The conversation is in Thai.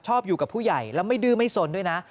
อยู่กับผู้ใหญ่แล้วไม่ดื้อไม่สนด้วยนะ